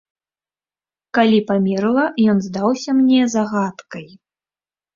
Калі памерла, ён здаўся мне загадкай.